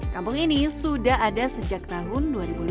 kampung ini sudah ada sejak tahun dua ribu lima belas